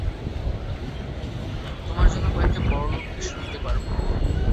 তোমার জন্য কয়েকটা বড়লোককে সইতে পারবো।